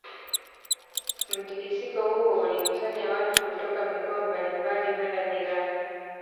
Mtikisiko huo ulikusanya watu kutoka mikoa mbali mbali kwenda jirani